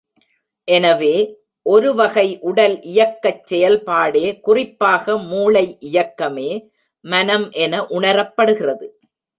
எனவே, ஒரு வகை உடல் இயக்கச் செயல்பாடே குறிப்பாக மூளை இயக்கமே மனம் என உணரப்படுகிறது.